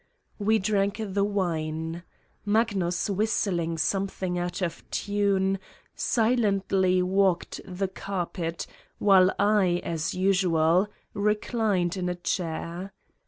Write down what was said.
We drank the wine. Magnus, whistling some thing out of tune, silently walked the carpet, while I, as usual, reclined in a chair.